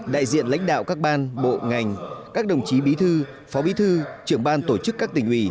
đại diện lãnh đạo các ban bộ ngành các đồng chí bí thư phó bí thư trưởng ban tổ chức các tỉnh ủy